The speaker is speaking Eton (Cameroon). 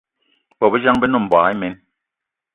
Bobejang, be ne mboigi imen.